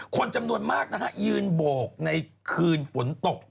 คนจำนวนมากนะฮะยืนโบกในคืนฝนตก